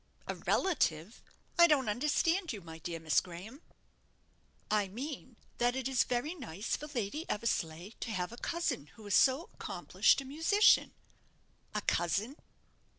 "A relative! I don't understand you, my dear Miss Graham." "I mean that it is very nice for Lady Eversleigh to have a cousin who is so accomplished a musician." "A cousin?"